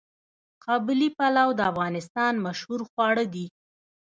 قابلي پلو د افغانستان مشهور خواړه دي.